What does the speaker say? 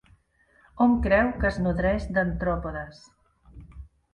Hom creu que es nodreix d'artròpodes.